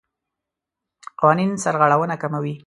قوانین سرغړونه کموي.